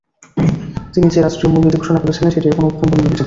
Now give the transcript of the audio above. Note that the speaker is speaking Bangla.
তিনি যে রাষ্ট্রীয় মূলনীতি ঘোষণা করেছিলেন, সেটি এখনো উত্তম বলে বিবেচিত।